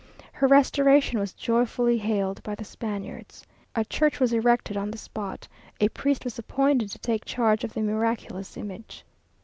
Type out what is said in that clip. Her restoration was joyfully hailed by the Spaniards. A church was erected on the spot. A priest was appointed to take charge of the miraculous image.